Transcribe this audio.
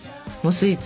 スイーツ？